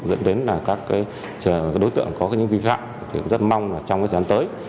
dẫn đến là các đối tượng có những vi phạm thì cũng rất mong là trong thời gian tới